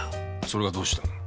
それがどうしたの？